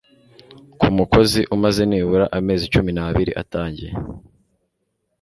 ku mukozi umaze nibura amezi cumi n abiri atangiye